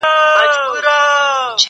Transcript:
زه پرون کتابتون ته وم؟